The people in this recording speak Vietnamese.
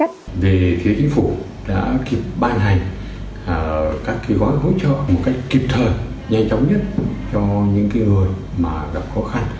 các kỳ gói hỗ trợ một cách kịp thời nhanh chóng nhất cho những người gặp khó khăn